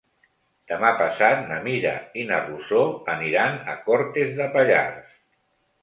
Demà passat na Mira i na Rosó aniran a Cortes de Pallars.